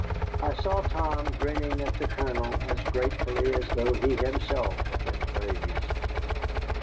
I saw Tom grinning at the Colonel as gratefully as though he himself had been praised.